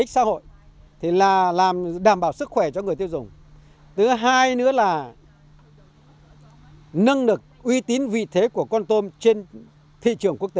sản lượng nó tăng lên hơn nuôi truyền thống cũ